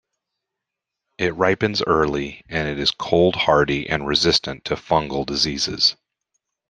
It ripens early, and it is cold-hardy and resistant to fungal diseases.